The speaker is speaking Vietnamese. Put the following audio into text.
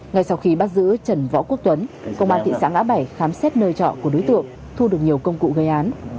ngay sau khi bắt giữ trần võ quốc tuấn công an thị xã ngã bảy khám xét nơi trọ của đối tượng thu được nhiều công cụ gây án